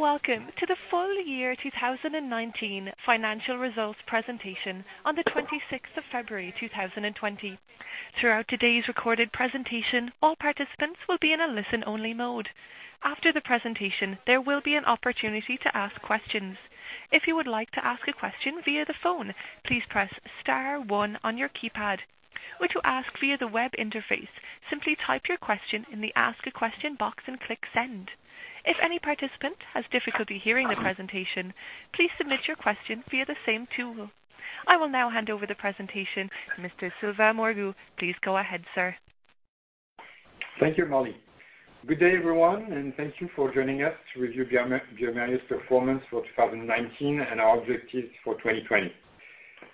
Welcome to the full year 2019 financial results presentation on the 26th of February 2020. Throughout today's recorded presentation, all participants will be in a listen only mode. After the presentation, there will be an opportunity to ask questions. If you would like to ask a question via the phone, please press star one on your keypad. To ask via the web interface, simply type your question in the Ask a Question box and click Send. If any participant has difficulty hearing the presentation, please submit your question via the same tool. I will now hand over the presentation to Mr. Sylvain Moreau. Please go ahead, sir. Thank you, Molly. Good day, everyone, and thank you for joining us to review bioMérieux's performance for 2019 and our objectives for 2020.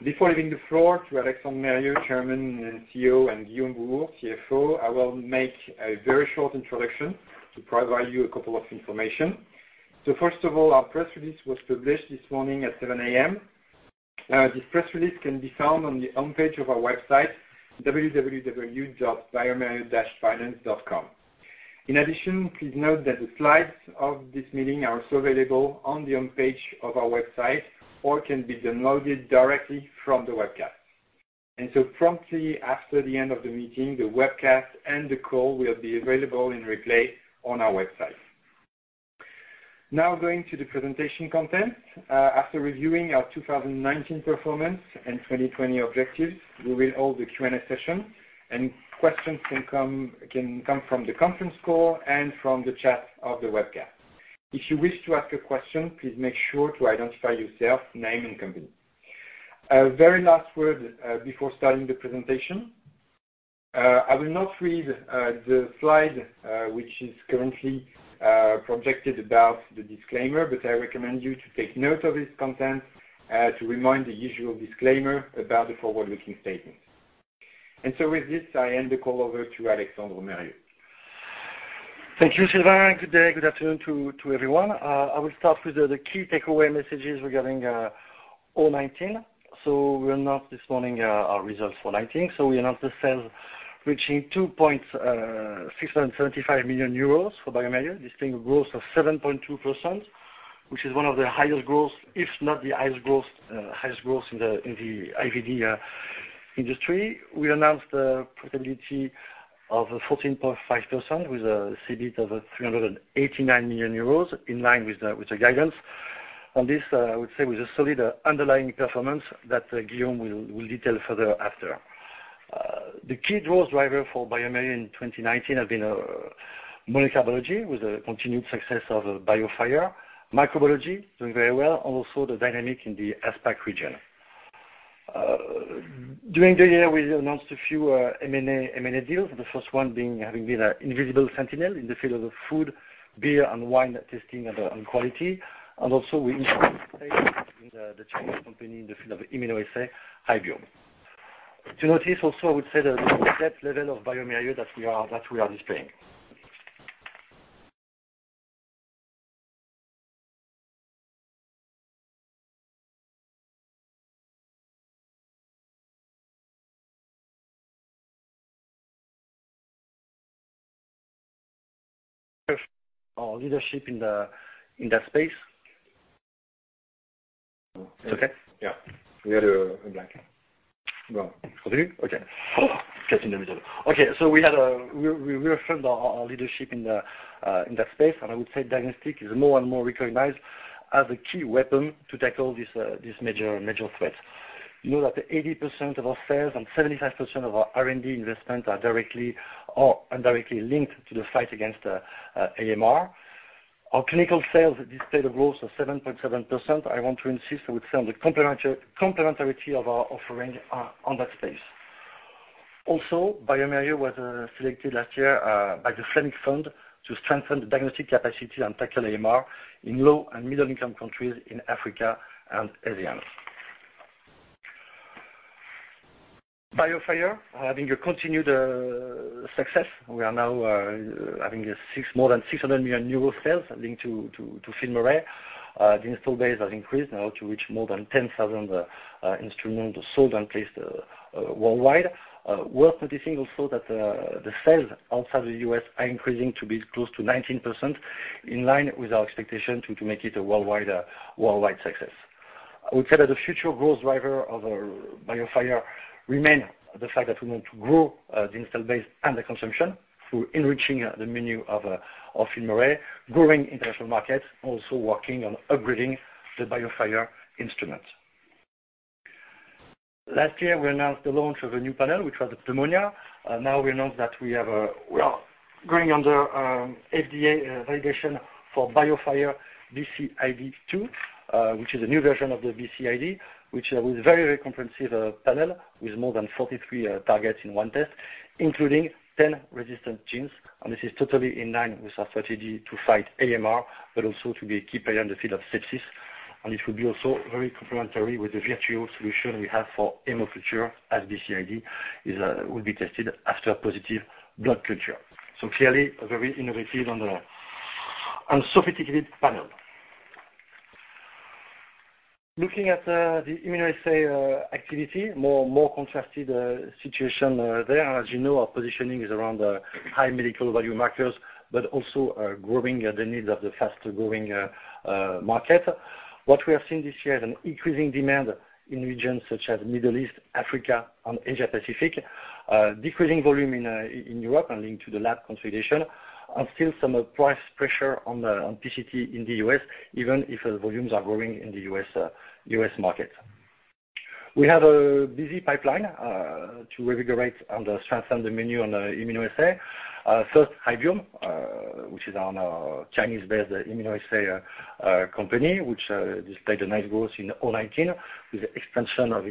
Before giving the floor to Alexandre Mérieux, chairman and CEO, and Guillaume Bouhours, CFO, I will make a very short introduction to provide you a couple of information. First of all, our press release was published this morning at 7:00 A.M. This press release can be found on the home page of our website, www.biomerieux-finance.com. In addition, please note that the slides of this meeting are also available on the home page of our website or can be downloaded directly from the webcast. Promptly after the end of the meeting, the webcast and the call will be available in replay on our website. Now going to the presentation content. After reviewing our 2019 performance and 2020 objectives, we will hold the Q&A session. Questions can come from the conference call and from the chat of the webcast. If you wish to ask a question, please make sure to identify yourself, name and company. A very last word before starting the presentation, I will not read the slide which is currently projected about the disclaimer. I recommend you to take note of its content to remind the usual disclaimer about the forward-looking statement. With this, I hand the call over to Alexandre Mérieux. Thank you, Sylvain. Good day. Good afternoon to everyone. I will start with the key takeaway messages regarding our 2019. We announced this morning our results for 2019. We announced the sales reaching 2,675 million euros for bioMérieux, displaying a growth of 7.2%, which is one of the highest growth, if not the highest growth in the IVD industry. We announced a profitability of 14.5% with a CIB of 389 million euros, in line with the guidance. On this, I would say with a solid underlying performance that Guillaume will detail further after. The key growth driver for bioMérieux in 2019 has been molecular biology with a continued success of BioFire, microbiology doing very well, and also the dynamic in the APAC region. During the year, we announced a few M&A deals, the first one having been Invisible Sentinel in the field of food, beer, and wine testing and quality. Also, we increased stake in the Chinese company in the field of immunoassay, Hybiome. To notice also, I would say the depth level of bioMérieux that we are displaying. Our leadership in that space. It's okay? Yeah. We had a blank. Well, continue. Okay. Cut in the middle. Okay. We reaffirmed our leadership in that space, and I would say diagnostic is more and more recognized as a key weapon to tackle these major threats. Know that 80% of our sales and 75% of our R&D investments are directly or indirectly linked to the fight against AMR. Our clinical sales displayed a growth of 7.7%. I want to insist, I would say, on the complementarity of our offering on that space. bioMérieux was selected last year by the Fleming Fund to strengthen the diagnostic capacity and tackle AMR in low and middle-income countries in Africa and Asia. BioFire are having a continued success. We are now having more than 600 million sales linked to FilmArray. The install base has increased now to reach more than 10,000 instruments sold and placed worldwide. Worth noticing also that the sales outside the U.S. are increasing to be close to 19%, in line with our expectation to make it a worldwide success. I would say that the future growth driver of BioFire remain the fact that we want to grow the install base and the consumption through enriching the menu of FilmArray, growing international markets, also working on upgrading the BioFire instrument. Last year, we announced the launch of a new panel, which was the pneumonia. Now we announce that we are going under FDA validation for BIOFIRE BCID2, which is a new version of the BCID, which is a very comprehensive panel with more than 43 targets in one test, including 10 resistant genes. This is totally in line with our strategy to fight AMR, but also to be a key player in the field of sepsis. It will be also very complementary with the VIRTUO solution we have for hemoculture, as BCID will be tested after a positive blood culture. Clearly, a very innovative and sophisticated panel. Looking at the immunoassay activity, more contrasted situation there. As you know, our positioning is around high medical value markers, but also growing the needs of the fast-growing market. What we have seen this year is an increasing demand in regions such as Middle East, Africa, and Asia Pacific. Decreasing volume in Europe and linked to the lab configuration, and still some price pressure on PCT in the U.S., even if volumes are growing in the U.S. market. We have a busy pipeline to reinvigorate and strengthen the menu on the immunoassay. First, Hybiome, which is our Chinese-based immunoassay company, which displayed a nice growth in 2019, with the expansion of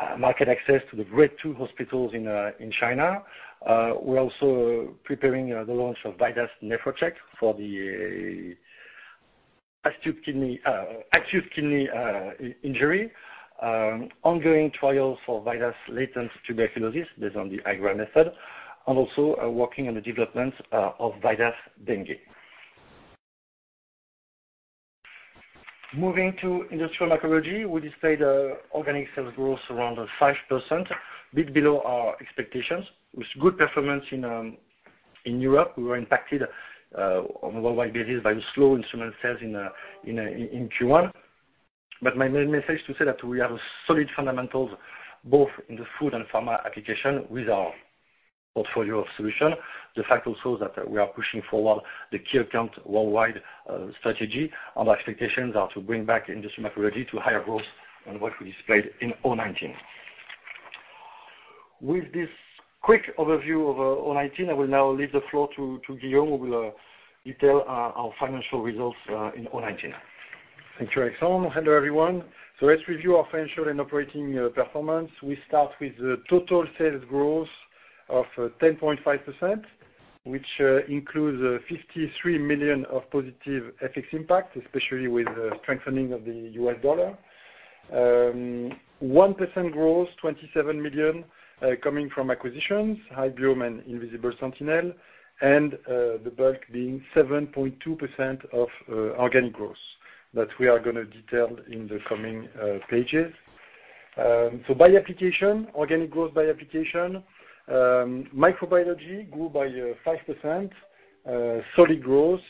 its market access to the grade two hospitals in China. We're also preparing the launch of VIDAS NEPHROCHECK for the acute kidney injury. Ongoing trials for VIDAS latent tuberculosis based on the IGRA method, and also working on the development of VIDAS DENGUE. Moving to industrial microbiology, we displayed organic sales growth around 5%, a bit below our expectations, with good performance in Europe. My main message to say that we have solid fundamentals both in the food and pharma application with our portfolio of solutions. The fact also that we are pushing forward the key account worldwide strategy, and our expectations are to bring back industry microbiology to higher growth than what we displayed in 2019. With this quick overview of 2019, I will now leave the floor to Guillaume, who will detail our financial results in 2019. Thank you, Alexandre. Hello, everyone. Let's review our financial and operating performance. We start with total sales growth of 10.5%, which includes a 53 million of positive FX impact, especially with the strengthening of the US dollar. 1% growth, 27 million, coming from acquisitions, Hybiome and Invisible Sentinel, and the bulk being 7.2% of organic growth, that we are going to detail in the coming pages. By application, organic growth by application. Microbiology grew by 5%, solid growth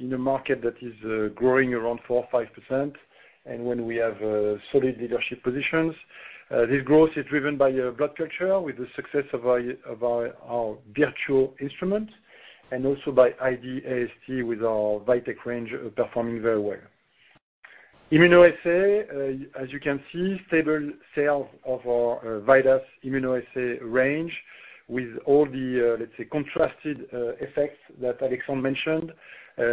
in a market that is growing around 4% or 5%, and when we have solid leadership positions. This growth is driven by blood culture with the success of our VIRTUO instrument, and also by ID/AST with our VITEK range performing very well. Immunoassay, as you can see, stable sales of our VIDAS immunoassay range with all the, let's say, contrasted effects that Alexandre mentioned,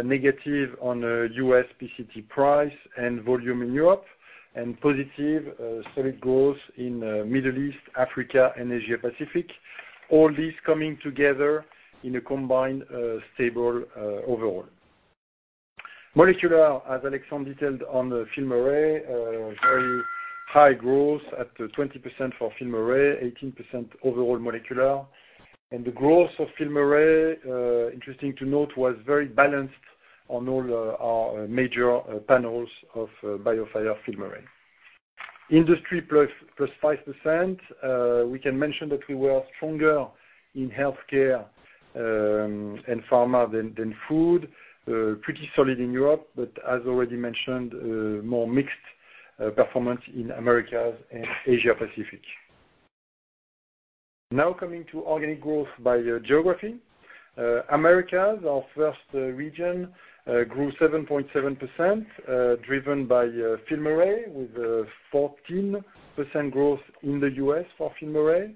negative on U.S. PCT price and volume in Europe, and positive solid growth in Middle East, Africa, and Asia Pacific. All these coming together in a combined stable overall. Molecular, as Alexandre detailed on FilmArray, very high growth at 20% for FilmArray, 18% overall molecular. The growth of FilmArray, interesting to note, was very balanced on all our major panels of BioFire FilmArray. Industry +5%. We can mention that we were stronger in healthcare and pharma than food. Pretty solid in Europe, but as already mentioned, more mixed performance in Americas and Asia Pacific. Now coming to organic growth by geography. Americas, our first region, grew 7.7%, driven by FilmArray, with 14% growth in the U.S. for FilmArray.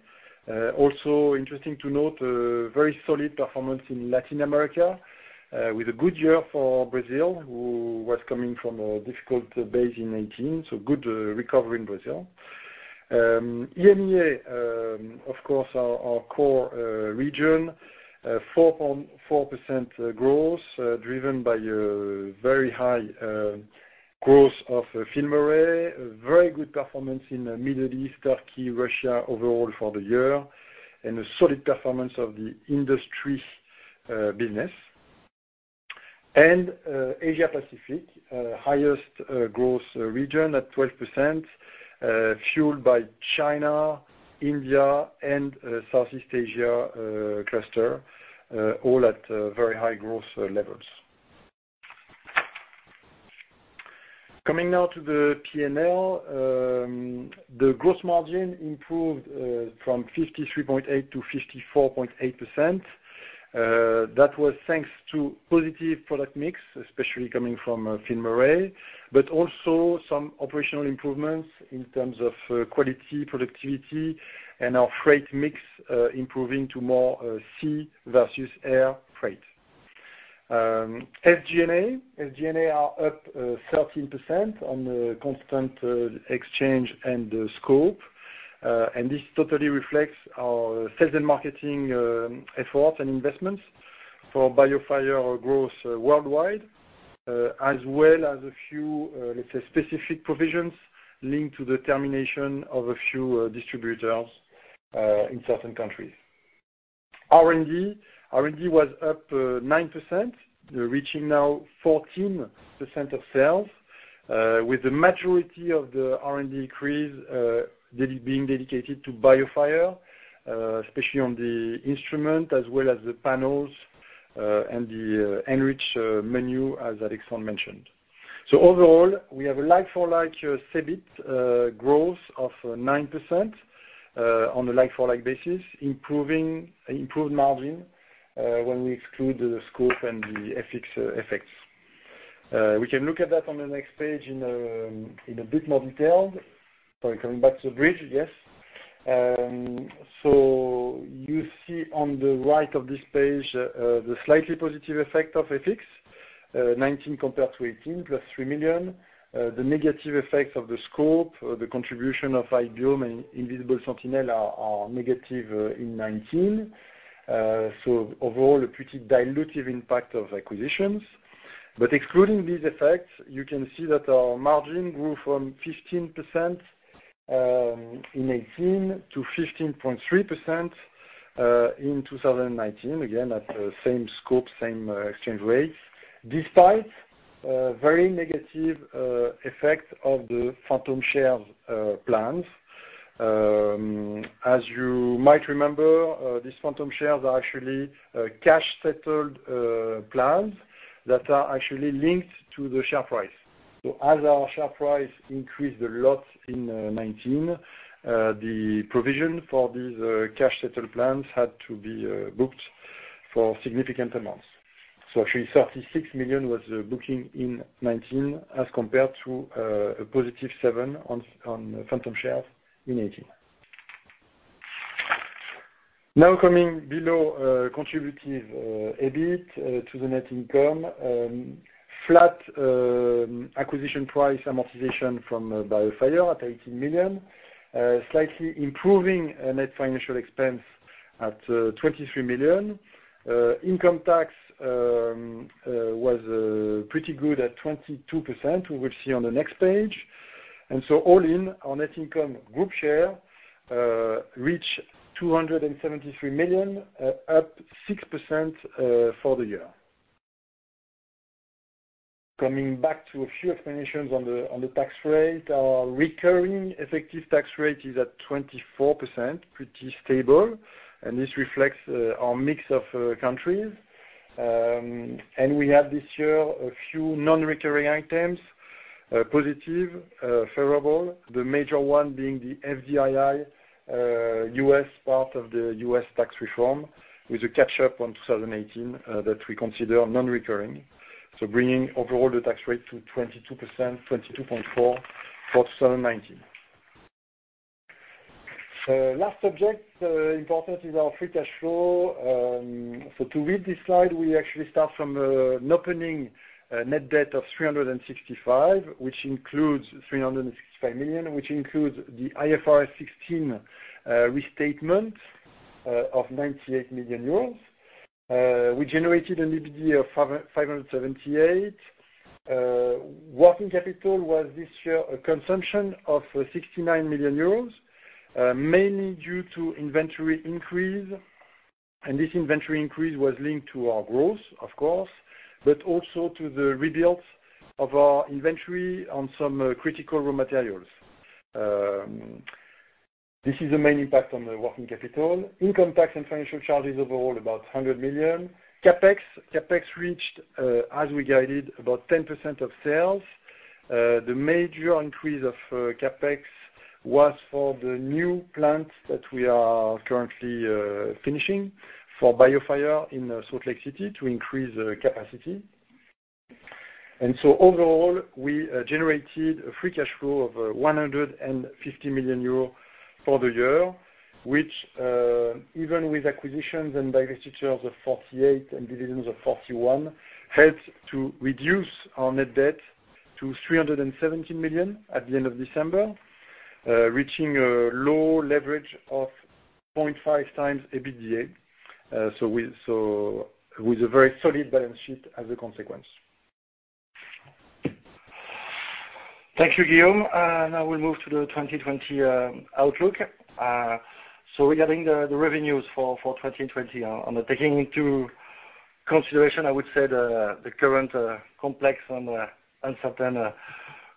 Also interesting to note, very solid performance in Latin America, with a good year for Brazil, who was coming from a difficult base in 2019. Good recovery in Brazil. EMEA, of course, our core region, 4.4% growth, driven by very high growth of FilmArray, very good performance in the Middle East, Turkey, Russia overall for the year, and a solid performance of the industry business. Asia Pacific, highest growth region at 12%, fueled by China, India, and South East Asia cluster, all at very high growth levels. Coming now to the P&L. The growth margin improved from 53.8%-54.8%. That was thanks to positive product mix, especially coming from FilmArray, but also some operational improvements in terms of quality, productivity, and our freight mix improving to more sea versus air freight. SG&A. SG&A are up 13% on the constant exchange and scope. This totally reflects our sales and marketing efforts and investments for BioFire growth worldwide, as well as a few, let's say, specific provisions linked to the termination of a few distributors in certain countries. R&D was up 9%, reaching now 14% of sales, with the majority of the R&D increase being dedicated to BioFire, especially on the instrument as well as the panels and the enrich menu, as Alexandre mentioned. Overall, we have a like-for-like EBIT growth of 9% on a like-for-like basis, improved margin when we exclude the scope and the FX effects. We can look at that on the next page in a bit more detail. Sorry, coming back to the bridge. Yes. You see on the right of this page, the slightly positive effect of FX, 2019 compared to 2018, +3 million. The negative effect of the scope, the contribution of Hybiome and Invisible Sentinel are negative in 2019. Overall, a pretty dilutive impact of acquisitions. Excluding these effects, you can see that our margin grew from 15% in 2018 to 15.3% in 2019, again, at the same scope, same exchange rates. Despite very negative effect of the phantom share plans. As you might remember, these phantom shares are actually cash-settled plans that are actually linked to the share price. As our share price increased a lot in 2019, the provision for these cash-settled plans had to be booked for significant amounts. Actually, 36 million was booking in 2019 as compared to a positive 7 on phantom shares in 2018. Now coming below contributive EBIT to the net income. Flat acquisition price amortization from BioFire at 18 million, slightly improving net financial expense at 23 million. Income tax was pretty good at 22%, we will see on the next page. All in, our net income group share reach 273 million, up 6% for the year. Coming back to a few explanations on the tax rate. Our recurring effective tax rate is at 24%, pretty stable, and this reflects our mix of countries. We have this year a few non-recurring items, positive, favorable. The major one being the FDII, U.S. part of the U.S. tax reform with a catch-up on 2018, that we consider non-recurring. Bringing overall the tax rate to 22.4% for 2019. Last subject, important is our free cash flow. To read this slide, we actually start from an opening net debt of 365 million, which includes the IFRS 16 restatement of 98 million euros. We generated an EBITDA of 578 million. Working capital was this year a consumption of 69 million euros, mainly due to inventory increase. This inventory increase was linked to our growth, of course, but also to the rebuild of our inventory on some critical raw materials. This is the main impact on the working capital. Income tax and financial charges overall about 100 million. CapEx reached, as we guided, about 10% of sales. The major increase of CapEx was for the new plants that we are currently finishing for BioFire in Salt Lake City to increase capacity. Overall, we generated a free cash flow of 150 million euros for the year, which, even with acquisitions and divestitures of 48 and divisions of 41, helped to reduce our net debt to 317 million at the end of December, reaching a low leverage of 0.5 times EBITDA. With a very solid balance sheet as a consequence. Thank you, Guillaume. Now we move to the 2020 outlook. Regarding the revenues for 2020, taking into consideration, I would say, the current complex and uncertain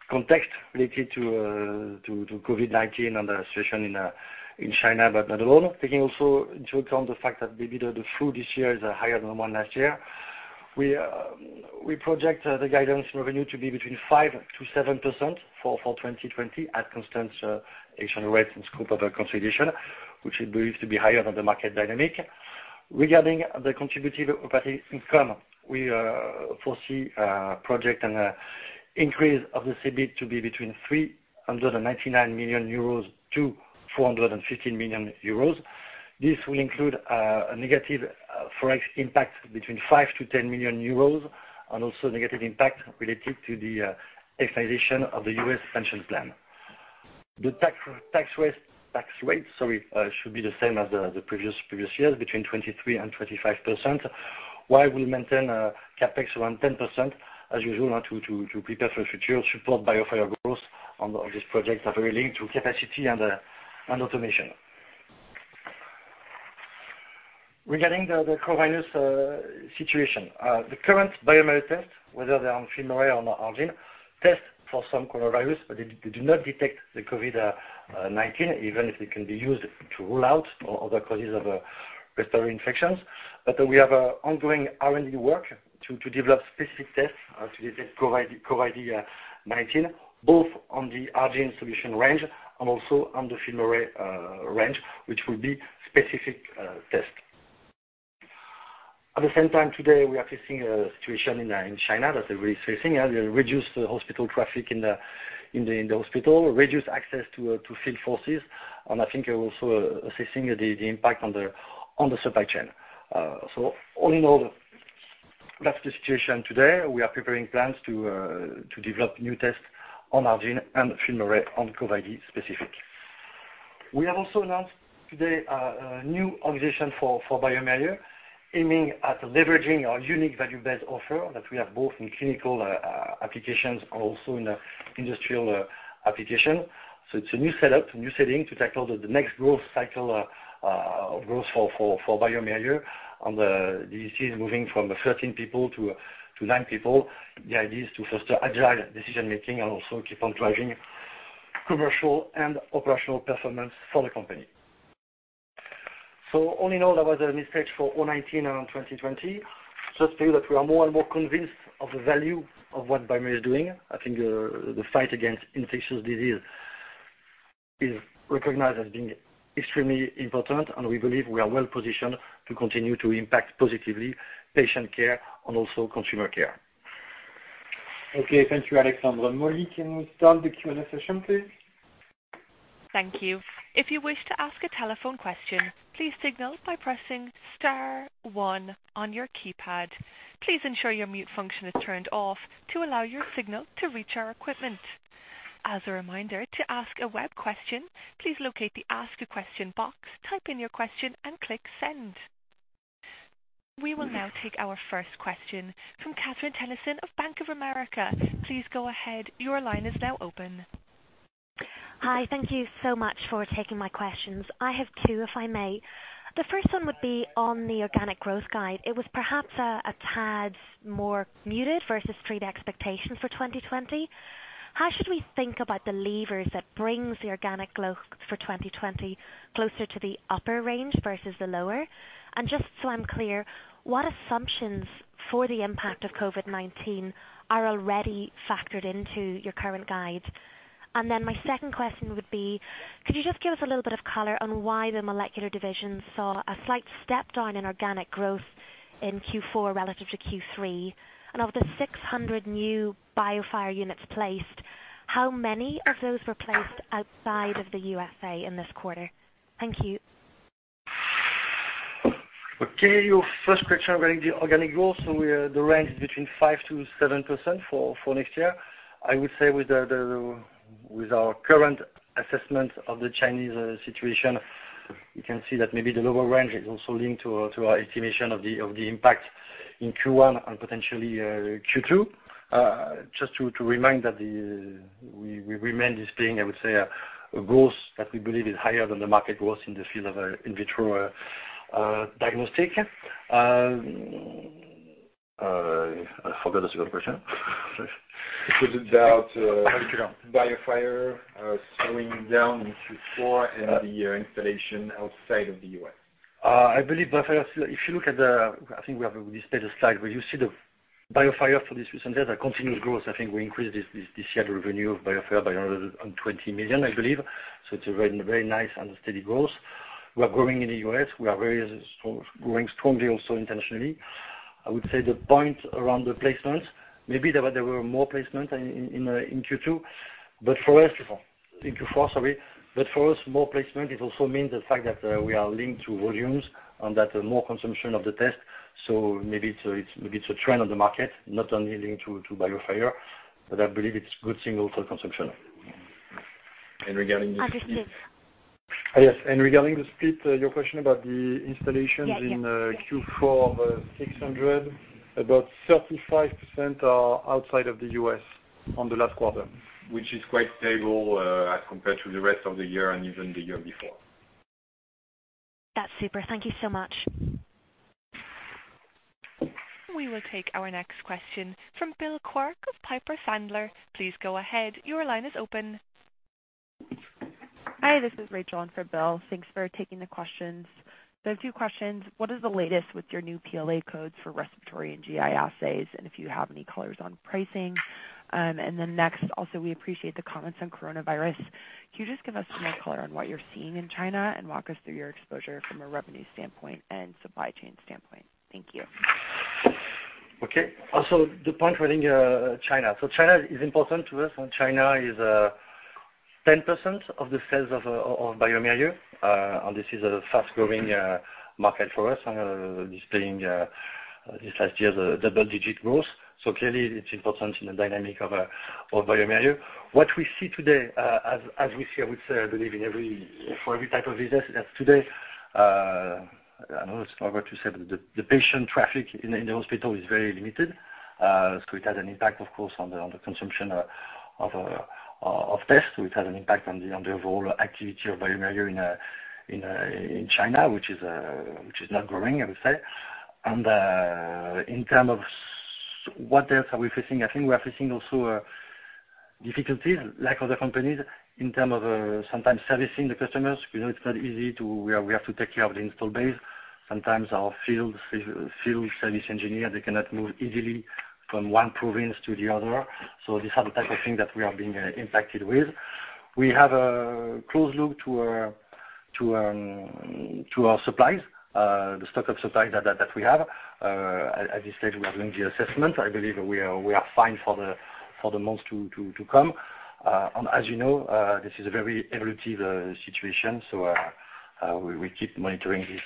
context related to COVID-19 and the situation in China, but not alone. Taking also into account the fact that the flu this year is higher than one last year. We project the guidance revenue to be between 5%-7% for 2020 at constant exchange rates and scope of consolidation, which we believe to be higher than the market dynamic. Regarding the contributive operating income, we foresee a project and increase of the EBIT to be between 399 million-415 million euros. This will include a negative ForEx impact between 5 million-10 million euros and also negative impact related to the externalization of the U.S. pension plan. The tax rate should be the same as the previous years, between 23%-25%. We maintain CapEx around 10%, as usual, to prepare for the future, support bioMérieux goals on these projects that are linked to capacity and automation. Regarding the coronavirus situation, the current bioMérieux test, whether they are on FilmArray or on ARGENE, tests for some coronavirus, but they do not detect the COVID-19, even if they can be used to rule out other causes of respiratory infections. We have ongoing R&D work to develop specific tests to detect COVID-19, both on the ARGENE solution range and also on the FilmArray range, which will be specific tests. At the same time, today, we are facing a situation in China, reduced hospital traffic in the hospital, reduced access to field forces, and I think also assessing the impact on the supply chain. All in all, that's the situation today. We are preparing plans to develop new tests on ARGENE and FilmArray on COVID-specific. We have also announced today a new organization for bioMérieux, aiming at leveraging our unique value-based offer that we have both in clinical applications and also in industrial application. It's a new setup, a new setting to tackle the next growth cycle for bioMérieux. This is moving from 13 people to nine people. The idea is to foster agile decision-making and also keep on driving commercial and operational performance for the company. All in all, that was a mixed take for 2019 and 2020. Just tell you that we are more and more convinced of the value of what bioMérieux is doing. I think the fight against infectious disease is recognized as being extremely important, and we believe we are well-positioned to continue to impact positively patient care and also consumer care. Thank you, Alexandre. Molly, can we start the Q&A session, please? Thank you. If you wish to ask a telephone question, please signal by pressing star one on your keypad. Please ensure your mute function is turned off to allow your signal to reach our equipment. As a reminder, to ask a web question, please locate the Ask a Question box, type in your question, and click Send. We will now take our first question from Katherine Tenison of Bank of America. Please go ahead. Your line is now open. Hi. Thank you so much for taking my questions. I have two, if I may. The first one would be on the organic growth guide. It was perhaps a tad more muted versus street expectations for 2020. How should we think about the levers that brings the organic growth for 2020 closer to the upper range versus the lower? Just so I'm clear, what assumptions for the impact of COVID-19 are already factored into your current guide? My second question would be, could you just give us a little bit of color on why the molecular division saw a slight step down in organic growth in Q4 relative to Q3? Of the 600 new BioFire units placed, how many of those were placed outside of the U.S.A. in this quarter? Thank you. Okay. Your first question regarding the organic growth, the range is between 5%-7% for next year. I would say with our current assessment of the Chinese situation, you can see that maybe the lower range is also linked to our estimation of the impact in Q1 and potentially Q2. Just to remind that we remain displaying, I would say, a growth that we believe is higher than the market growth in the field of in vitro diagnostics. I forgot the second question. It was about- I haven't heard. BioFire slowing down in Q4 and the installation outside of the U.S. I believe BioFire, if you look at the I think we have displayed a slide where you see the BioFire for this recent year that continued growth. I think we increased this year the revenue of BioFire by 120 million, I believe. It's a very nice and steady growth. We are growing in the U.S. We are growing strongly also internationally. I would say the point around the placements, maybe there were more placements in Q2, Q4, sorry. For us, more placement, it also means the fact that we are linked to volumes and that more consumption of the test. Maybe it's a trend on the market, not only linked to BioFire, but I believe it's good signal for consumption. Regarding the split- Understood. Yes. Regarding the split, your question about the installations. Yeah. in Q4 of 600, about 35% are outside of the U.S. on the last quarter, which is quite stable as compared to the rest of the year and even the year before. That's super. Thank you so much. We will take our next question from Bill Quirk of Piper Sandler. Please go ahead. Your line is open. Hi, this is Rachel in for Bill. Thanks for taking the questions. A few questions. What is the latest with your new PLA codes for respiratory and GI assays, if you have any colors on pricing? Next, also, we appreciate the comments on Coronavirus. Can you just give us some more color on what you're seeing in China and walk us through your exposure from a revenue standpoint and supply chain standpoint? Thank you. The point regarding China. China is important to us, and China is 10% of the sales of bioMérieux. This is a fast-growing market for us, displaying this last year the double-digit growth. Clearly, it's important in the dynamic of bioMérieux. What we see today, as we see, I would say, I believe for every type of business, that the patient traffic in the hospital is very limited. It has an impact, of course, on the consumption of tests, so it has an impact on the overall activity of bioMérieux in China, which is not growing, I would say. In term of what else are we facing? I think we are facing also difficulties like other companies in term of sometimes servicing the customers. We know it's not easy. We have to take care of the install base. Sometimes our field service engineer, they cannot move easily from one province to the other. These are the type of things that we are being impacted with. We have a close look to our supplies, the stock of supplies that we have. At this stage, we are doing the assessment. I believe we are fine for the months to come. As you know, this is a very evolutive situation. We keep monitoring this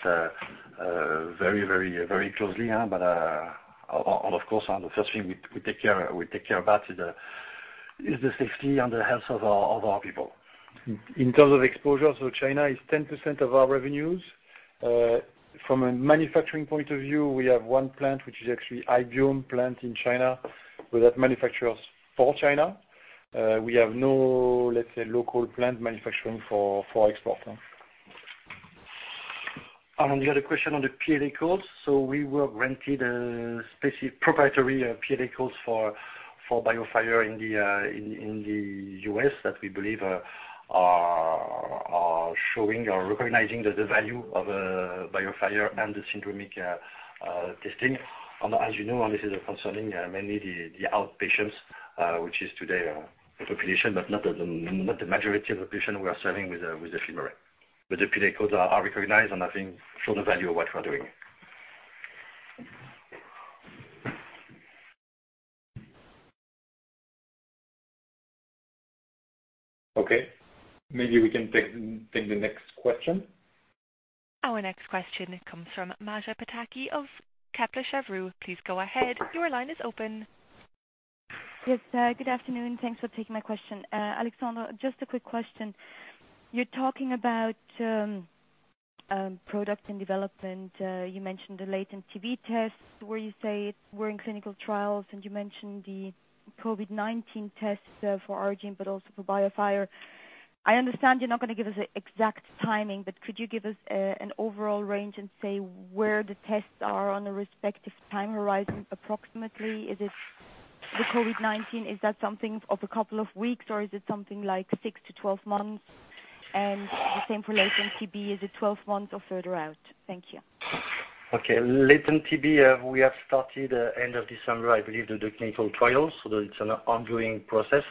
very closely. Of course, the first thing we take care about is the safety and the health of our people. In terms of exposure, China is 10% of our revenues. From a manufacturing point of view, we have one plant, which is actually Hybiome plant in China that manufacturers for China. We have no local plant manufacturing for export. On the other question on the PLA codes. We were granted a specific proprietary PLA codes for BioFire in the U.S. that we believe are showing or recognizing the value of BioFire and the syndromic testing. As you know, this is concerning mainly the outpatients, which is today the population, but not the majority of the population we are serving with the FilmArray. The PLA codes are recognized and I think show the value of what we're doing. Okay, maybe we can take the next question. Our next question comes from Maja Pataki of Kepler Cheuvreux. Please go ahead. Your line is open. Yes. Good afternoon. Thanks for taking my question. Alexandre, just a quick question. You are talking about product and development. You mentioned the latent TB test where you say we are in clinical trials, and you mentioned the COVID-19 test for ARGENE, but also for BioFire. I understand you are not going to give us the exact timing, could you give us an overall range and say where the tests are on the respective time horizon approximately? Is it the COVID-19, is that something of a couple of weeks, or is it something like 6 to 12 months? The same for latent TB. Is it 12 months or further out? Thank you. Latent TB, we have started end of December, I believe, the clinical trials. That it's an ongoing process.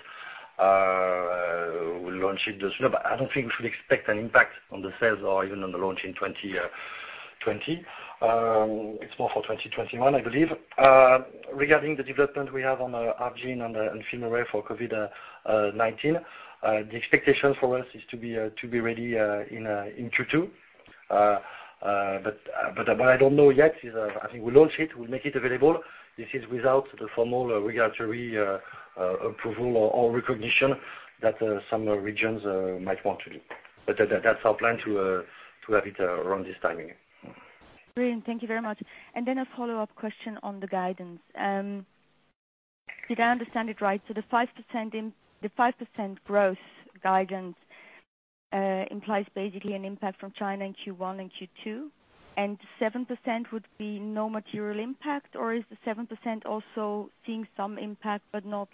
We'll launch it this year, but I don't think we should expect an impact on the sales or even on the launch in 2020. It's more for 2021, I believe. Regarding the development we have on ARGENE and FilmArray for COVID-19, the expectation for us is to be ready in Q2. I don't know yet. I think we launch it, we make it available. This is without the formal regulatory approval or recognition that some regions might want to do. That's our plan to have it around this timing. Great. Thank you very much. A follow-up question on the guidance. Did I understand it right? The 5% growth guidance implies basically an impact from China in Q1 and Q2, and 7% would be no material impact? Is the 7% also seeing some impact but not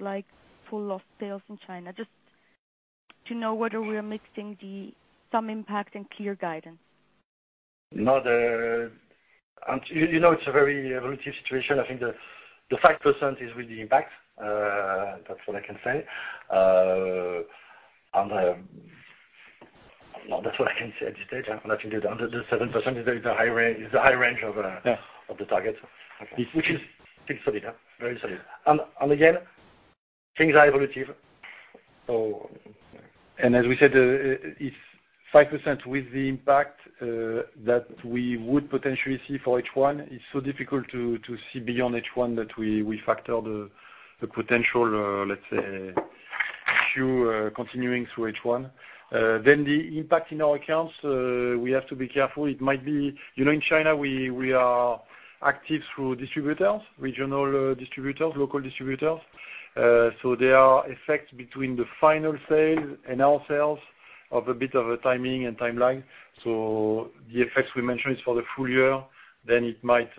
full lost sales in China? Just to know whether we are mixing some impact and clear guidance. No. It's a very evolutive situation. I think the 5% is with the impact. That's what I can say. No, that's what I can say at this stage. I think the other 7% is the high range of the target. Okay. Which is still solid. Very solid. Again, things are evolutive. As we said, it's 5% with the impact that we would potentially see for H1. It's so difficult to see beyond H1 that we factor the potential, let's say, issue continuing through H1. The impact in our accounts, we have to be careful. In China, we are active through distributors, regional distributors, local distributors. There are effects between the final sale and our sales of a bit of a timing and timeline. The effects we mention is for the full year, then it might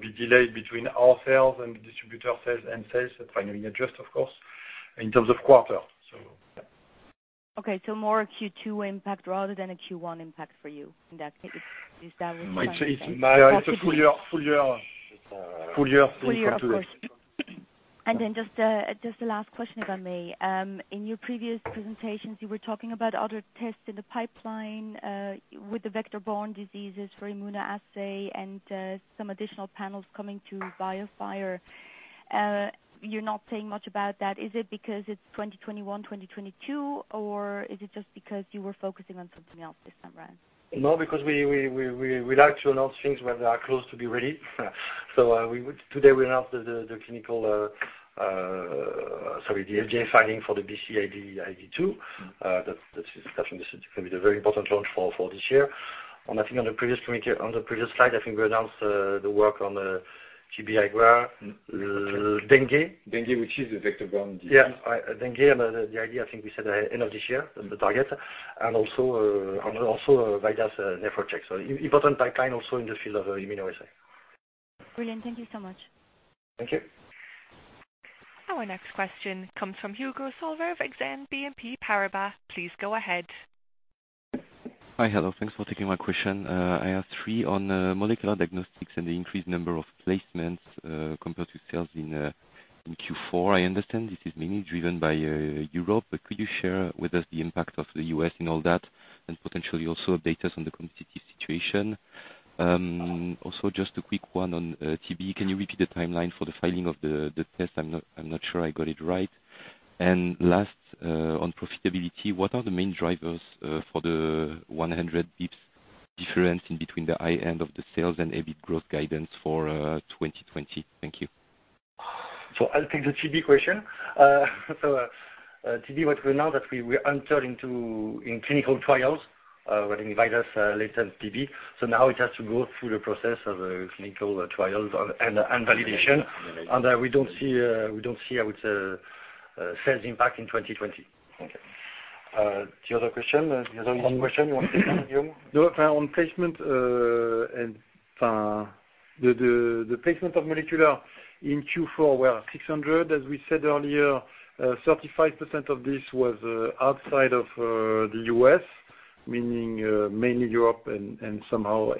be delayed between our sales and the distributor sales and sales, finally adjust, of course, in terms of quarter. Yeah. More a Q2 impact rather than a Q1 impact for you in that case. Is that what you are saying? It's a full year thing. Full year, of course. Just a last question, if I may. In your previous presentations, you were talking about other tests in the pipeline, with the vector-borne diseases for immunoassay and some additional panels coming to BioFire. You're not saying much about that. Is it because it's 2021, 2022, or is it just because you were focusing on something else this time around? We like to announce things when they are close to be ready. Today we announced the FDA filing for the BIOFIRE BCID2. That is definitely going to be the very important launch for this year. On the previous slide, I think we announced the work on the TB Dengue. Dengue, which is a vector-borne disease. Yeah. Dengue, and the idea, I think we said end of this year, the target. Also VIDAS NEPHROCHECK. Important pipeline also in the field of immunoassays. Brilliant. Thank you so much. Thank you. Our next question comes from Hugo Solvet of Exane BNP Paribas. Please go ahead. Hi. Hello. Thanks for taking my question. I have three on molecular diagnostics and the increased number of placements, compared to sales in Q4. I understand this is mainly driven by Europe, could you share with us the impact of the U.S. in all that, and potentially also update us on the competitive situation? Just a quick one on TB. Can you repeat the timeline for the filing of the test? I'm not sure I got it right. Last, on profitability, what are the main drivers for the 100 basis points difference in between the high end of the sales and EBIT growth guidance for 2020? Thank you. I'll take the TB question. TB, what we know that we entered in clinical trials with VIDAS latent TB. Now it has to go through the process of clinical trials and validation. We don't see a sales impact in 2020. Okay. The other question? The other one question you wanted, Hugo? No, on placement. The placement of molecular in Q4 were 600. As we said earlier, 35% of this was outside of the U.S., meaning mainly Europe and somehow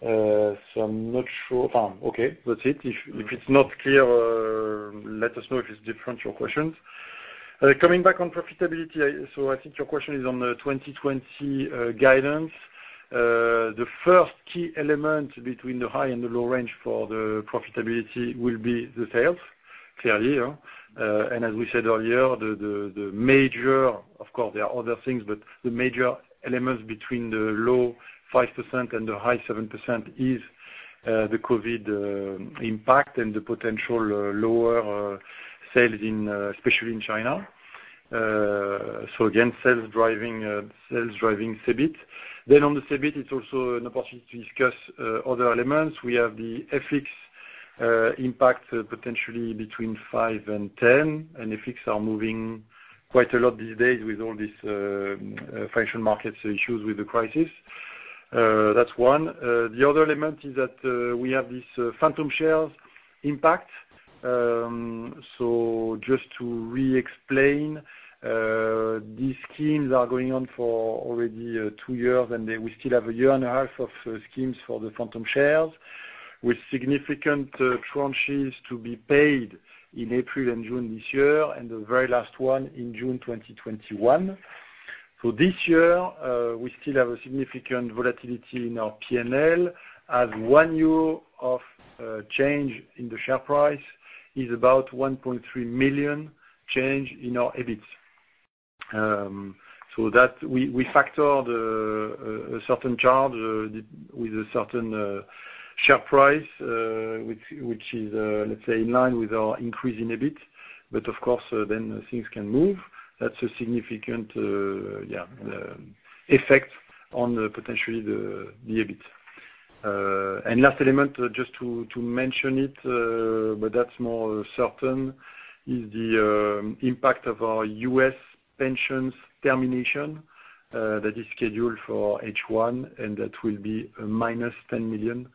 Asia-Pacific. I'm not sure. Okay. That's it. If it's not clear, let us know if it's different, your questions. Coming back on profitability, I think your question is on the 2020 guidance. The first key element between the high and the low range for the profitability will be the sales, clearly. As we said earlier, the major, of course, there are other things, but the major elements between the low 5% and the high 7% is the COVID impact and the potential lower sales especially in China. Again, sales driving EBIT. On the EBIT, it's also an opportunity to discuss other elements. We have the FX impact potentially between 5 and 10. FX are moving quite a lot these days with all these financial markets issues with the crisis. That's one. The other element is that we have this phantom shares impact. Just to re-explain, these schemes are going on for already two years, and we still have a year and a half of schemes for the phantom shares, with significant tranches to be paid in April and June this year, and the very last one in June 2021. This year, we still have a significant volatility in our P&L, as one year of change in the share price is about 1.3 million change in our EBIT. That we factor the certain charge with a certain share price, which is, let's say, in line with our increase in EBIT. Of course, things can move. That's a significant effect on potentially the EBIT. Last element, just to mention it, but that's more certain, is the impact of our U.S. pensions termination that is scheduled for H1, and that will be a -10 million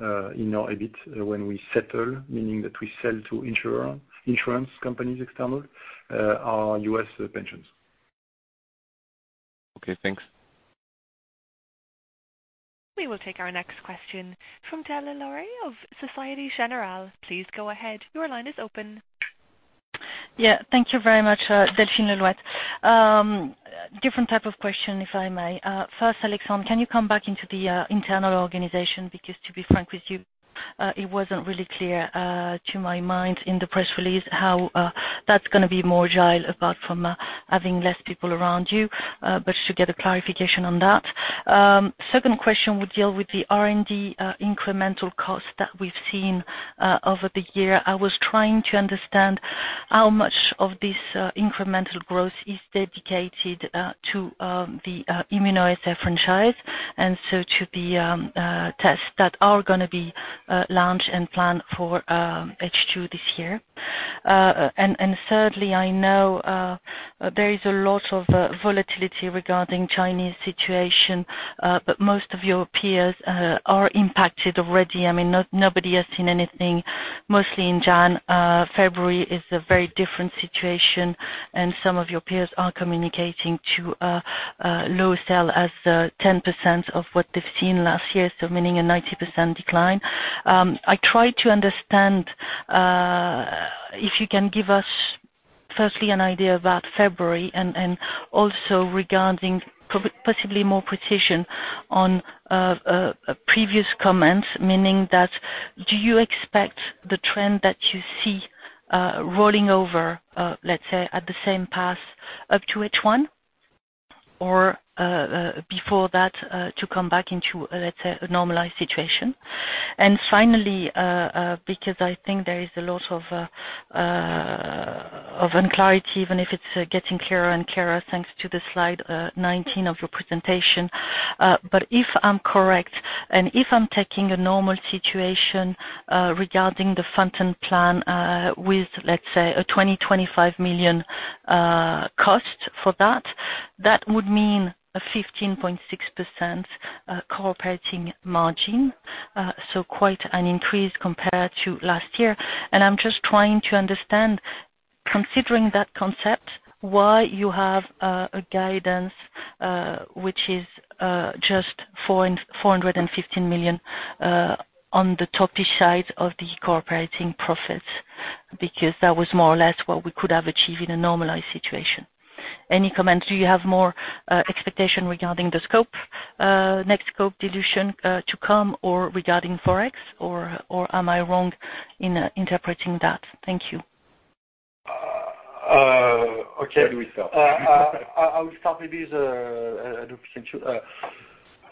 in our EBIT when we settle, meaning that we sell to insurance companies external, our U.S. pensions. Okay, thanks. We will take our next question from Delphine Le Louet of Societe Generale. Please go ahead. Your line is open. Yeah. Thank you very much. Different type of question, if I may. First, Alexandre, can you come back into the internal organization? To be frank with you, it was not really clear to my mind in the press release how that's going to be more agile apart from having less people around you. To get a clarification on that. Second question would deal with the R&D incremental cost that we have seen over the year. I was trying to understand how much of this incremental growth is dedicated to the immunoassay franchise, and so to the tests that are going to be launched and planned for H2 this year. Thirdly, I know there is a lot of volatility regarding Chinese situation. Most of your peers are impacted already. Nobody has seen anything. Mostly in January. February is a very different situation, and some of your peers are communicating to a low sale as 10% of what they've seen last year, so meaning a 90% decline. I try to understand, if you can give us firstly an idea about February and also regarding possibly more precision on previous comments, meaning that do you expect the trend that you see rolling over, let's say, at the same path up to H1? Or before that to come back into, let's say, a normalized situation. Finally, because I think there is a lot of unclarity, even if it's getting clearer and clearer thanks to the slide 19 of your presentation. If I'm correct, and if I'm taking a normal situation regarding the front-end plan with, let's say, a 20 million-25 million cost for that would mean a 15.6% contributive operating margin. Quite an increase compared to last year. I am just trying to understand, considering that concept, why you have a guidance which is just 415 million on the top side of the contributive operating income, because that was more or less what we could have achieved in a normalized situation. Any comments? Do you have more expectation regarding the scope, next scope dilution to come or regarding ForEx? Am I wrong in interpreting that? Thank you. Okay. Where do we start? I will start with this.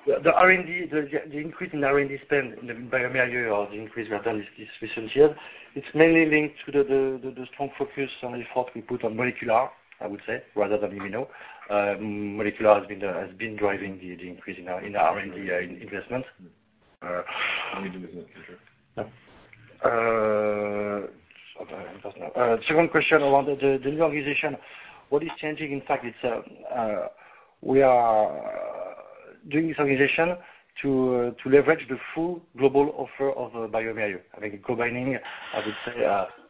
The increase in R&D spend in the bioMérieux, or the increase we have done this recent year, it's mainly linked to the strong focus on effort we put on molecular, I would say, rather than immuno. Molecular has been driving the increase in our R&D investment. We do it in the future. Second question around the new organization. What is changing? We are doing this organization to leverage the full global offer of bioMérieux. I think combining, I would say,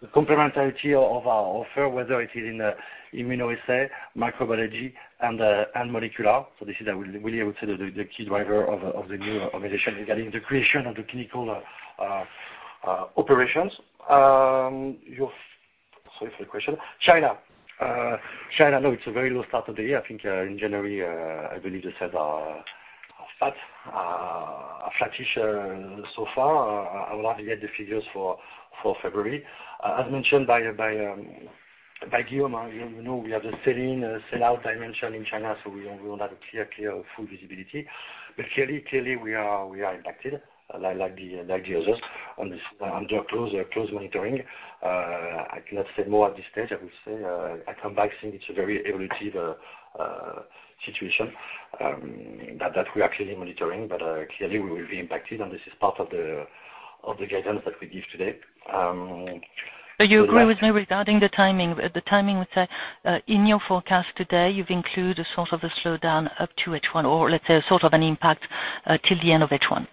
the complementarity of our offer, whether it is in the immunoassay, microbiology, and molecular. This is, I would say, the key driver of the new organization regarding the creation of the clinical operations. Sorry for the question. China. China, no, it's a very low start of the year. I think in January, I believe the sales are flat. Flattish so far. I will have to get the figures for February. As mentioned by Guillaume, we have the sell-in, sell-out dimension in China, we don't have a clear full visibility. Clearly, we are impacted, like the others. We are under close monitoring. I cannot say more at this stage. I will say I come back saying it's a very evolutive situation that we're actually monitoring. Clearly, we will be impacted, and this is part of the guidance that we give today. You agree with me regarding the timing? The timing, let's say, in your forecast today, you've included sort of the slowdown up to H1 or let's say, sort of an impact till the end of H1.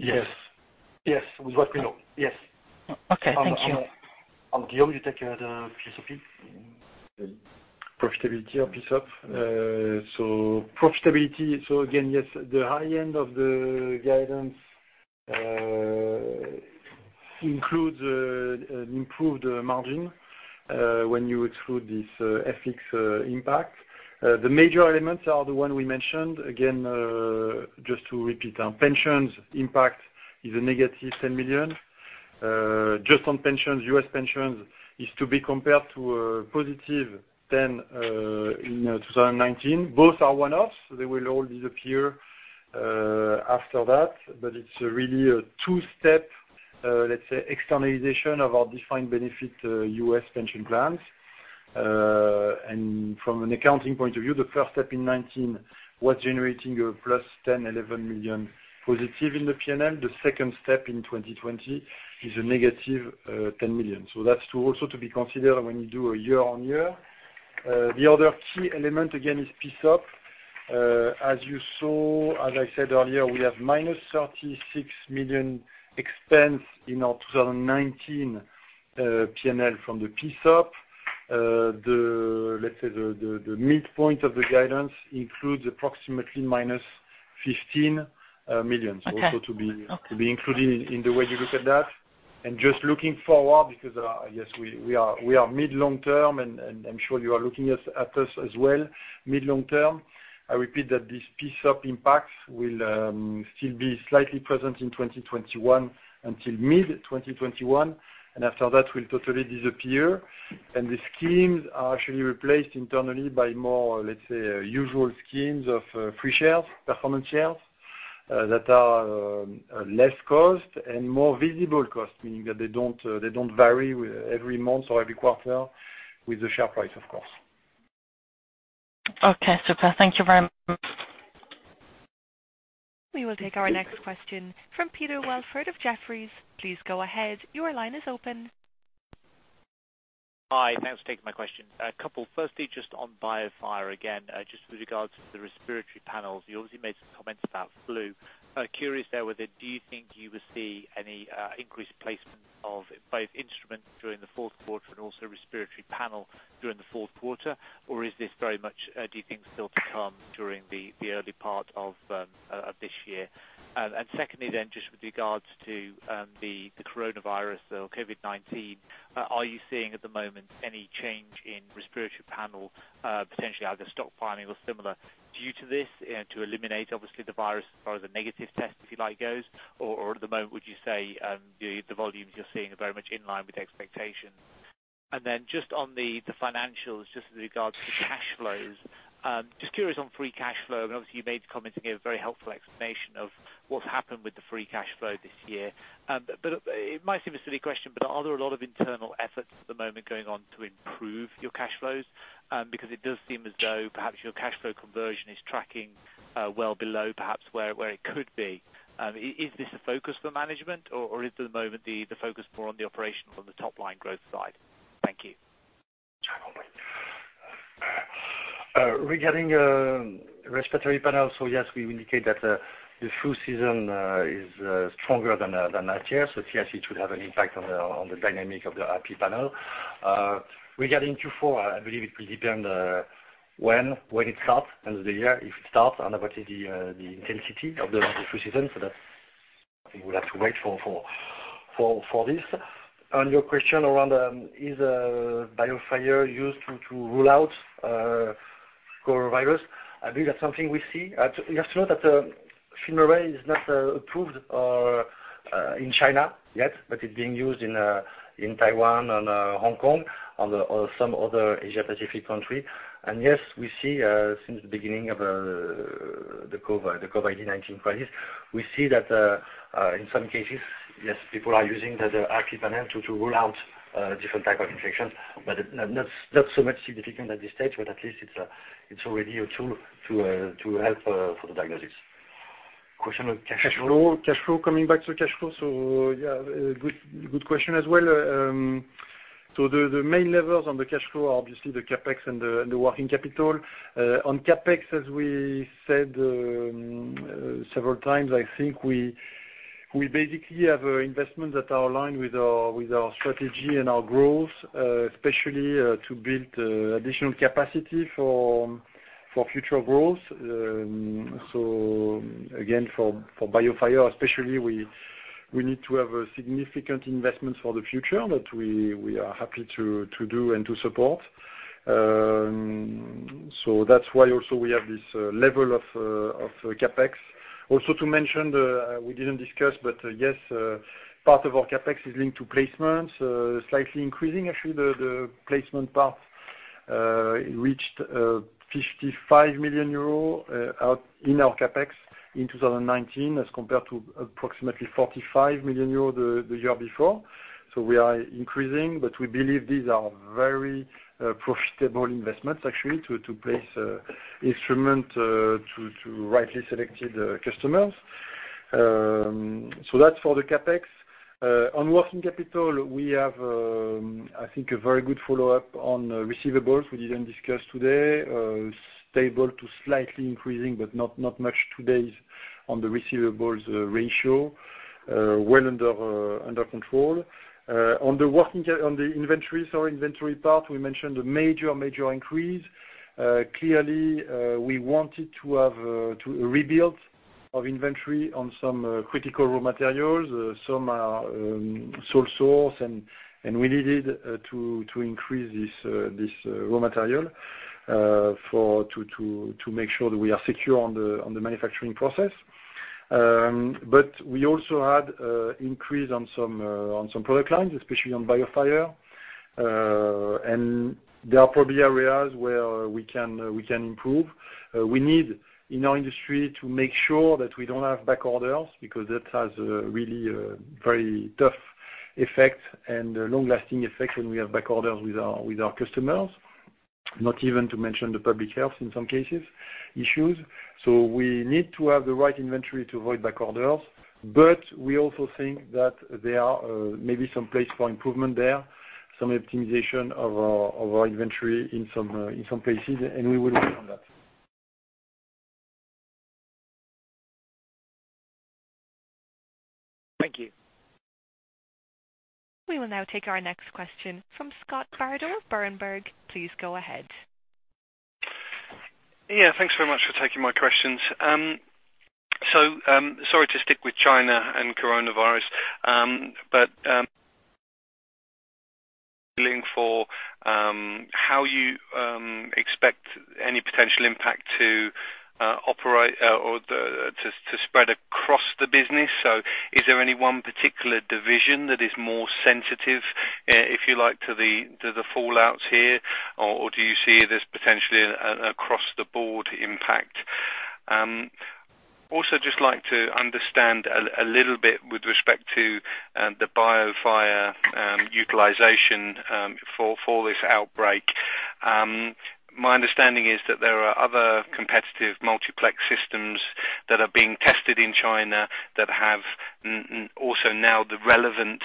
Yes. With what we know, yes. Okay. Thank you. Guillaume, you take the PSOP? Profitability or PSOP. Profitability, yes, the high end of the guidance includes improved margin when you exclude this FX impact. The major elements are the one we mentioned. Again, just to repeat, our pensions impact is a negative 10 million. Just on pensions, U.S. pensions is to be compared to a positive than in 2019. Both are one-offs. They will all disappear after that. It's really a two-step, let's say, externalization of our defined benefit U.S. pension plans. From an accounting point of view, the first step in 2019 was generating a plus 10 million-11 million positive in the P&L. The second step in 2020 is a negative 10 million. That's also to be considered when you do a year-over-year. The other key element again is PSOP. As you saw, as I said earlier, we have -36 million expense in our 2019 P&L from the PSOP. Let's say the midpoint of the guidance includes approximately -15 million. Okay Also to be included in the way you look at that. Just looking forward, because yes, we are mid long term, and I am sure you are looking at us as well mid long term. I repeat that these PSOP impacts will still be slightly present in 2021 until mid-2021, and after that will totally disappear. The schemes are actually replaced internally by more, let's say, usual schemes of free shares, performance shares that are less cost and more visible cost, meaning that they don't vary with every month or every quarter with the share price, of course. Okay, super. Thank you very much. We will take our next question from Peter Welford of Jefferies. Please go ahead. Your line is open. Hi, thanks for taking my question. A couple. Just on BioFire again, just with regards to the Respiratory Panels. You obviously made some comments about flu. Curious there whether do you think you will see any increased placement of both instruments during the fourth quarter and also Respiratory Panel during the fourth quarter? Is this very much do you think still to come during the early part of this year? Just with regards to the coronavirus or COVID-19, are you seeing at the moment any change in Respiratory Panel, potentially either stock piling or similar due to this, to eliminate obviously the virus as far as a negative test, if you like, goes? At the moment, would you say the volumes you're seeing are very much in line with expectations? Just on the financials, just with regards to cash flows. Just curious on free cash flow, obviously you made the comment and gave a very helpful explanation of what's happened with the free cash flow this year. It might seem a silly question, but are there a lot of internal efforts at the moment going on to improve your cash flows? It does seem as though perhaps your cash flow conversion is tracking well below perhaps where it could be. Is this a focus for management, or is at the moment the focus more on the operations on the top-line growth side? Thank you. Regarding Respiratory Panel, yes, we indicate that the flu season is stronger than last year, yes, it should have an impact on the dynamic of the RP Panel. Regarding Q4, I believe it will depend when it starts, end of the year, if it starts, and about the intensity of the flu season. That I think we'll have to wait for this. On your question around is BioFire used to rule out coronavirus, I believe that's something we see. You have to know that FilmArray is not approved in China yet, but it's being used in Taiwan and Hong Kong and some other Asia Pacific country. Yes, we see since the beginning of the COVID-19 crisis, we see that in some cases, yes, people are using the RP panel to rule out different type of infections, but not so much significant at this stage, but at least it's already a tool to help for the diagnosis. Question on cash flow. Cash flow, coming back to cash flow. Yeah, good question as well. The main levers on the cash flow are obviously the CapEx and the working capital. On CapEx, as we said several times, I think we basically have investments that are aligned with our strategy and our growth, especially to build additional capacity for future growth. Again, for BioFire especially, we need to have significant investments for the future that we are happy to do and to support. That's why also we have this level of CapEx. To mention, we didn't discuss, but yes, part of our CapEx is linked to placements, slightly increasing actually the placement part. It reached 55 million euros in our CapEx in 2019 as compared to approximately 45 million euros the year before. We are increasing, but we believe these are very profitable investments actually to place instrument to rightly selected customers. That's for the CapEx. On working capital, we have I think a very good follow-up on receivables we didn't discuss today. Stable to slightly increasing, but not much today on the receivables ratio. Well under control. On the inventories or inventory part, we mentioned a major increase. Clearly, we wanted to have a rebuilt of inventory on some critical raw materials. Some are sole source, and we needed to increase this raw material to make sure that we are secure on the manufacturing process. We also had increase on some product lines, especially on BioFire. There are probably areas where we can improve. We need in our industry to make sure that we don't have back orders, because that has a really very tough effect and long-lasting effect when we have back orders with our customers, not even to mention the public health, in some cases, issues. We need to have the right inventory to avoid back orders. We also think that there are maybe some place for improvement there, some optimization of our inventory in some places, and we will work on that. Thank you. We will now take our next question from Scott Bardo, Berenberg. Please go ahead. Yeah, thanks very much for taking my questions. Sorry to stick with China and coronavirus. Link for how you expect any potential impact to operate or to spread across the business. Is there any one particular division that is more sensitive, if you like, to the fallouts here, or do you see this potentially an across the board impact? Also just like to understand a little bit with respect to the BioFire utilization for this outbreak. My understanding is that there are other competitive multiplex systems that are being tested in China that have also now the relevant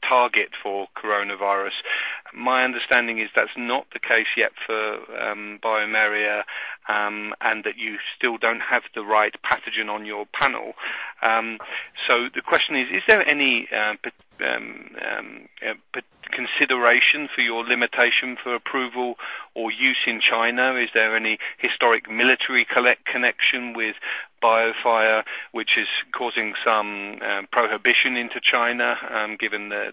target for coronavirus. My understanding is that's not the case yet for bioMérieux, and that you still don't have the right pathogen on your panel. The question is: Is there any consideration for your limitation for approval or use in China? Is there any historic military connection with BioFire, which is causing some prohibition into China given the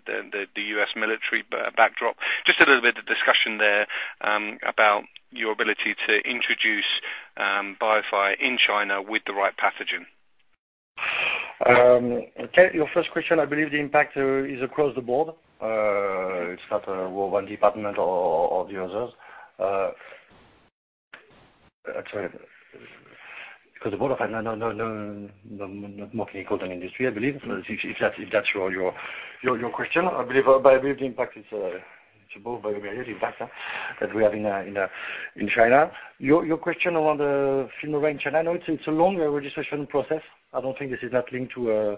U.S. military backdrop? Just a little bit of discussion there about your ability to introduce BioFire in China with the right pathogen. Okay. Your first question, I believe the impact is across the board. It's not one department or the others. Sorry. Because the board, not more clinical than industry, I believe. If that's your question. I believe the impact, it's both by the way, the impact that we have in China. Your question around the FilmArray in China. No, it's a longer registration process. I don't think this is linked to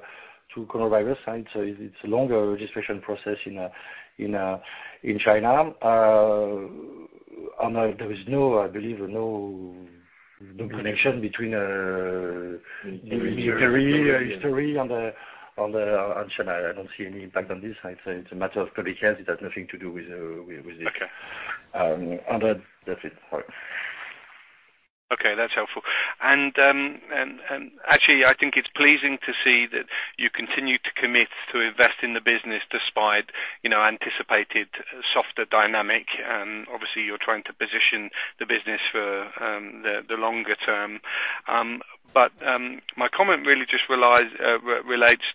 coronavirus. It's a longer registration process in China. There is, I believe, no connection between the history and China. I don't see any impact on this. I'd say it's a matter of public health. It has nothing to do with it. Okay. Other. That's it. All right. Okay, that's helpful. Actually, I think it's pleasing to see that you continue to commit to invest in the business despite anticipated softer dynamic. Obviously, you're trying to position the business for the longer term. My comment really just relates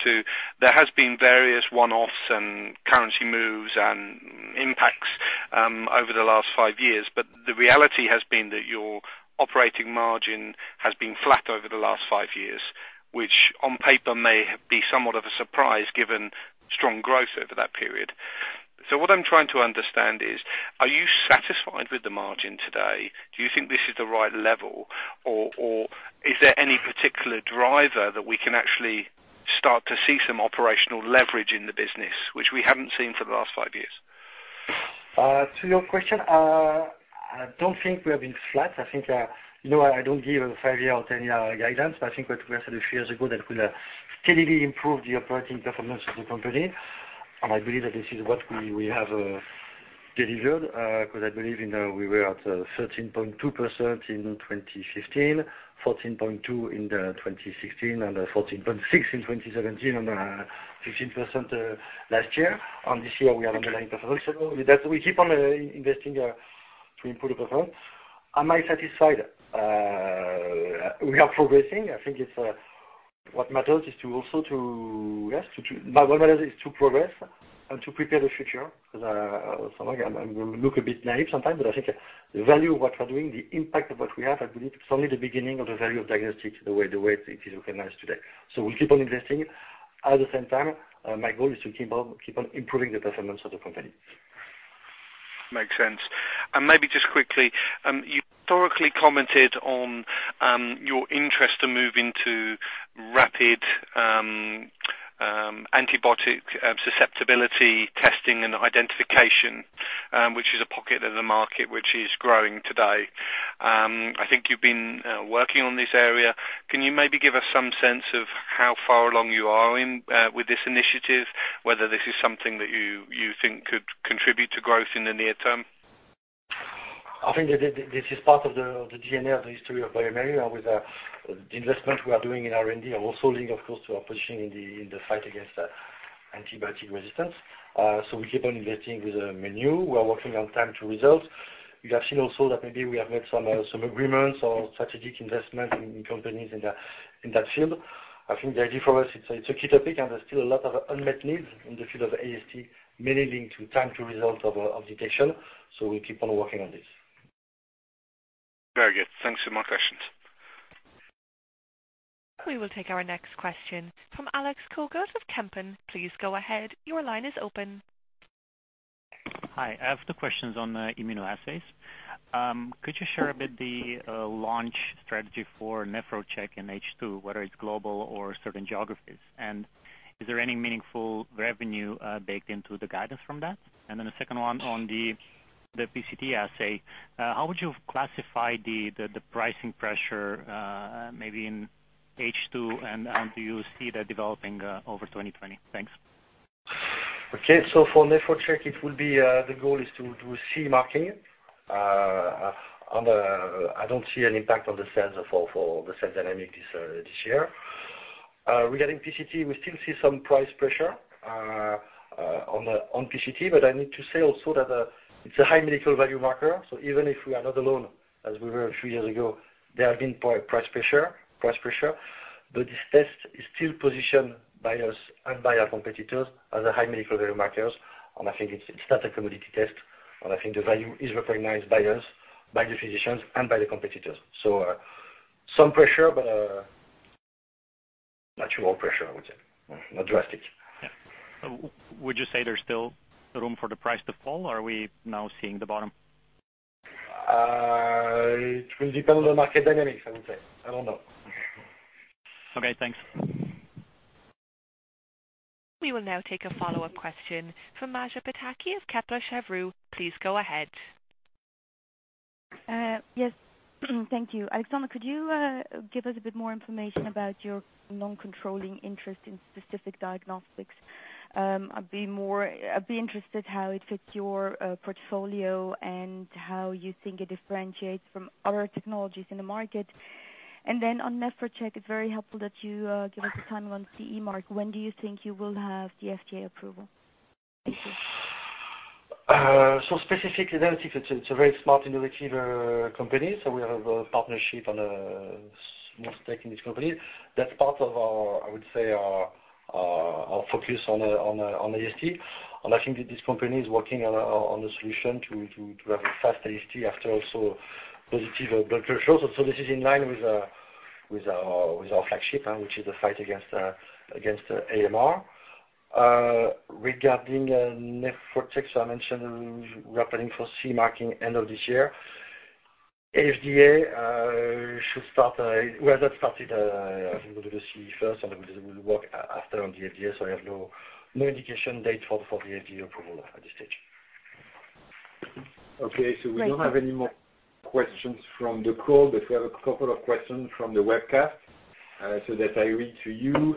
to, there has been various one-offs and currency moves and impacts over the last five years, but the reality has been that your operating margin has been flat over the last five years, which on paper may be somewhat of a surprise given strong growth over that period. What I'm trying to understand is, are you satisfied with the margin today? Do you think this is the right level, or is there any particular driver that we can actually start to see some operational leverage in the business, which we haven't seen for the last five years? To your question, I don't think we have been flat. I don't give a five-year or 10-year guidance, but I think what we have said a few years ago that we will steadily improve the operating performance of the company, and I believe that this is what we have delivered. I believe we were at 13.2% in 2015, 14.2% in 2016, and 14.6% in 2017, and 15% last year. This year we are on the 9%. We keep on investing to improve the performance. Am I satisfied? We are progressing. I think what matters is to progress and to prepare the future, because I look a bit naive sometimes, but I think the value of what we're doing, the impact of what we have, I believe it's only the beginning of the value of diagnostics the way it is recognized today. We'll keep on investing. At the same time, my goal is to keep on improving the performance of the company. Makes sense. Maybe just quickly, you historically commented on your interest to move into rapid antibiotic susceptibility testing and identification, which is a pocket of the market which is growing today. I think you've been working on this area. Can you maybe give us some sense of how far along you are with this initiative, whether this is something that you think could contribute to growth in the near term? I think this is part of the DNA of the history of bioMérieux. With the investment we are doing in R&D, and also linked, of course, to our positioning in the fight against antibiotic resistance. We keep on investing with Menu. We are working on time to results. You have seen also that maybe we have made some agreements or strategic investment in companies in that field. I think the idea for us, it's a key topic, and there's still a lot of unmet needs in the field of AST, mainly linked to time to result of detection. We keep on working on this. Very good. Thanks for my questions. We will take our next question from Alex Koller of Kempen. Please go ahead. Your line is open. Hi. I have two questions on the immunoassays. Could you share a bit the launch strategy for NEPHROCHECK in H2, whether it's global or certain geographies? Is there any meaningful revenue baked into the guidance from that? Then the second one on the PCT assay. How would you classify the pricing pressure, maybe in H2, and how do you see that developing over 2020? Thanks. Okay. For NEPHROCHECK, the goal is to do CE marking. I don't see an impact on the sales dynamic this year. Regarding PCT, we still see some price pressure on PCT. I need to say also that it's a high medical value marker. Even if we are not alone, as we were a few years ago, there has been price pressure. This test is still positioned by us and by our competitors as a high medical value markers. I think it's not a commodity test. I think the value is recognized by us, by the physicians, and by the competitors. Some pressure, not too much pressure, I would say. Not drastic. Yeah. Would you say there's still room for the price to fall, or are we now seeing the bottom? It will depend on market dynamics, I would say. I don't know. Okay, thanks. We will now take a follow-up question from Maja Pataki of Kepler Cheuvreux. Please go ahead. Yes. Thank you. Alexandre, could you give us a bit more information about your non-controlling interest in Specific Diagnostics? I'd be interested how it fits your portfolio and how you think it differentiates from other technologies in the market. On NEPHROCHECK, it's very helpful that you give us a timeline on CE mark. When do you think you will have the FDA approval? Thank you. Specific Diagnostics, it's a very smart, innovative company. We have a partnership on a small stake in this company. That's part of our, I would say, our focus on AST. I think that this company is working on a solution to have a fast AST after also positive blood culture. This is in line with our flagship, which is the fight against AMR. Regarding NEPHROCHECK, I mentioned we are planning for CE marking end of this year. FDA, we have not started. I think we'll do the CE first, and we'll work after on the FDA. I have no indication date for the FDA approval at this stage. Okay. We don't have any more questions from the call, but we have a couple of questions from the webcast, so that I read to you.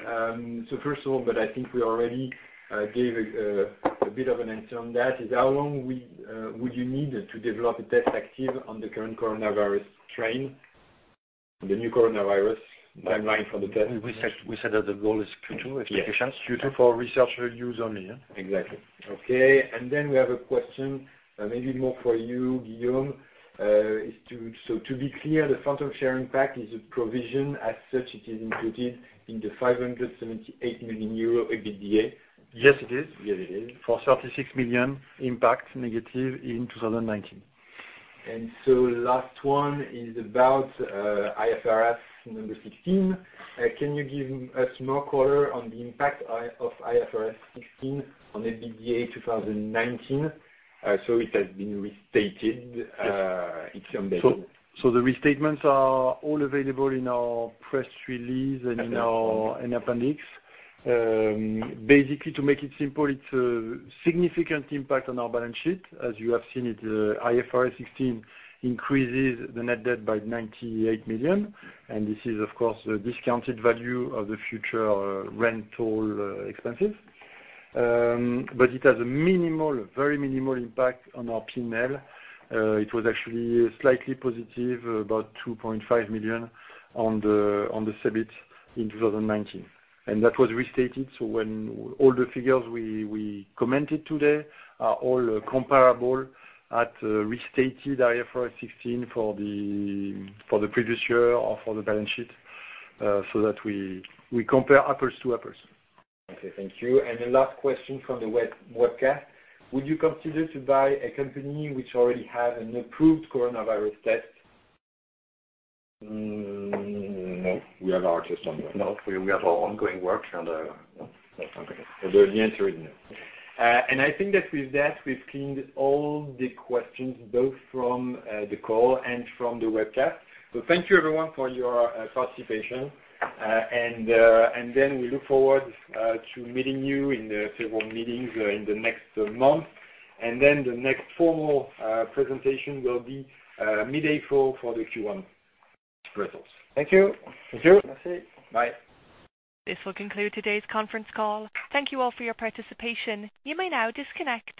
First of all, but I think we already gave a bit of an answer on that, is how long would you need to develop a test active on the current coronavirus strain, the new coronavirus timeline for the test? We said that the goal is Q2, if we can. Yes. Q2 for research use only, yeah. Exactly. Okay. We have a question, maybe more for you, Guillaume. To be clear, the phantom sharing pack is a provision as such, it is included in the 578 million euro EBITDA? Yes, it is. Yes, it is. For 36 million impact negative in 2019. Last one is about IFRS number 16. Can you give us more color on the impact of IFRS 16 on EBITDA 2019? It has been. Yes. it's on that. The restatements are all available in our press release. Okay In our appendix. Basically, to make it simple, it's a significant impact on our balance sheet. As you have seen, IFRS 16 increases the net debt by 98 million, and this is, of course, the discounted value of the future rental expenses. It has a minimal, very minimal impact on our P&L. It was actually slightly positive, about 2.5 million on the EBIT in 2019, and that was restated. All the figures we commented today are all comparable at restated IFRS 16 for the previous year or for the balance sheet, so that we compare apples to apples. Okay, thank you. The last question from the webcast. Would you consider to buy a company which already has an approved coronavirus test? No, we have our test ongoing. No, we have our ongoing work on the No. Okay. The answer is no. I think that with that, we've cleaned all the questions, both from the call and from the webcast. Thank you everyone for your participation. We look forward to meeting you in the several meetings in the next month. The next formal presentation will be mid-April for the Q1 results. Thank you. Thank you. Bye. This will conclude today's conference call. Thank you all for your participation. You may now disconnect.